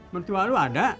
mertua lu ada